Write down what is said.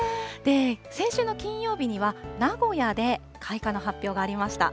先週の金曜日には、名古屋で開花の発表がありました。